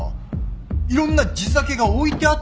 いろんな地酒が置いてあって。